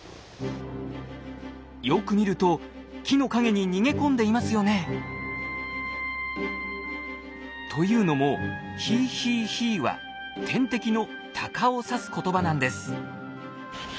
よく見ると木の陰に逃げ込んでいますよね。というのも「ヒーヒーヒー」は天敵のタカを指す言葉なんです。